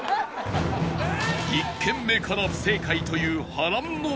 １軒目から不正解という波乱の幕開け